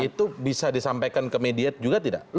itu bisa disampaikan ke media juga tidak